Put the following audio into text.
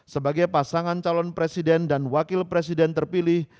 sebagai pasangan calon presiden dan wakil presiden terpilih